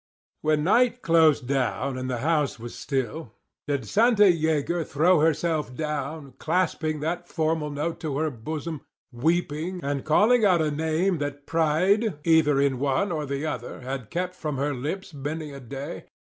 When night closed down and the house was still, did Santa Yeager throw herself down, clasping that formal note to her bosom, weeping, and calling out a name that pride (either in one or the other) had kept from her lips many a day?